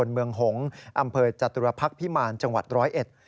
อำเภยจตุรพักษ์พิมารจังหวัดร้อยเอ็ด